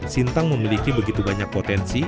sintang memiliki begitu banyak potensi